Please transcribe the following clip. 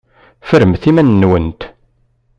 Ffremt iman-nwent!